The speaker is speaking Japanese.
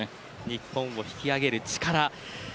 日本を引き上げる力。